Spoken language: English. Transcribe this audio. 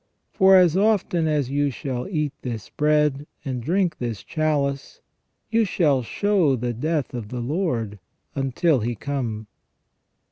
For as often as you shall eat this bread and drink this chalice you shall show the death of the Lord until He come."